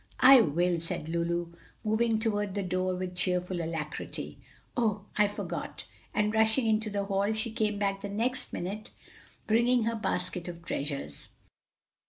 "I will," said Lulu, moving toward the door with cheerful alacrity. "Oh, I forgot!" and rushing into the hall, she came back the next minute bringing her basket of treasures.